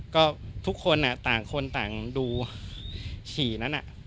ก็ทุกคนต่างคนต่างดูฉี่นั้น